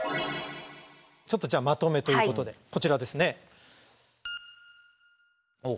ちょっとまとめということでこちらですね。